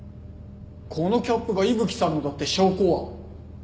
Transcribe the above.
このキャップが伊吹さんのだって証拠は？